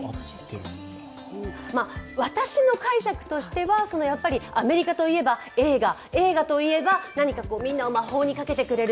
私の解釈としてはアメリカといえば映画映画、映画といえば、みんなを魔法にかけてくれる。